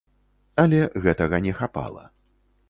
Але гэтага не хапала.